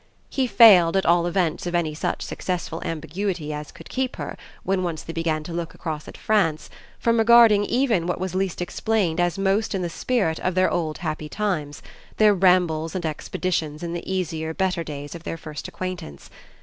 He failed at all events of any such successful ambiguity as could keep her, when once they began to look across at France, from regarding even what was least explained as most in the spirit of their old happy times, their rambles and expeditions in the easier better days of their first acquaintance.